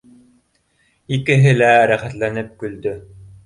Икеһе лә рәхәтләнеп көлдө